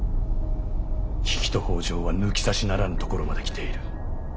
比企と北条は抜き差しならぬところまで来ている。